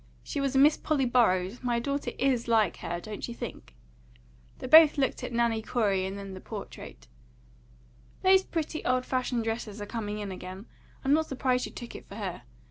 She was a Miss Polly Burroughs. My daughter IS like her, don't you think?" They both looked at Nanny Corey and then at the portrait. "Those pretty old fashioned dresses are coming in again. I'm not surprised you took it for her.